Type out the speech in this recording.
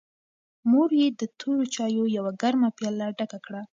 مور یې د تورو چایو یوه ګرمه پیاله ډکه کړه.